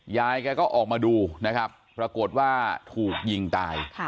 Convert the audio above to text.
ยายแกก็ออกมาดูนะครับปรากฏว่าถูกยิงตาย